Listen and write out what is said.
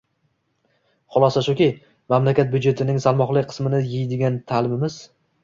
Xulosa shuki, mamlakat byudjetining salmoqli qismini «yeydigan» ta’limimiz